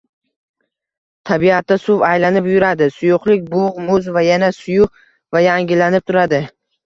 Tabiatda suv aylanib yuradi: suyuqlik, bug ', muz va yana suyuq va yangilanib turadi